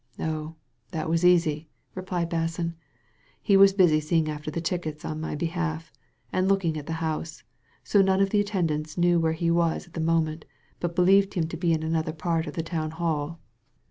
"Oh, that was easy," replied Basson. "He was busy seeing after the tickets on my behalf, and look ing at the house ; so none of the attendants knew where he was at the moment, but believed him to be in another part of the Town Hall.